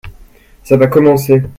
ça va commencer.